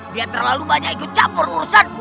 biar terlalu banyak ikut campur urusanmu